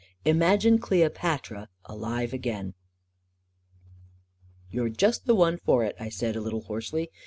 Imagine Cleopatra alive again ..." You're just the one for it," I said, a little hoarsely.